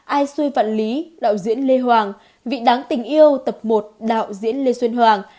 ai xuôi vạn lý đạo diễn lê hoàng vị đáng tình yêu tập một đạo diễn lê xuân hoàng